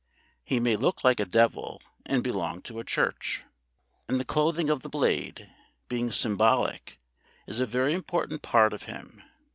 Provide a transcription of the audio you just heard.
He may look like a devil and belong to a church. And the clothing of the Blade, being symbolical, is a very important part of him.